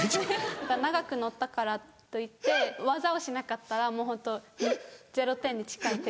長く乗ったからといって技をしなかったらホント０点に近い点数に。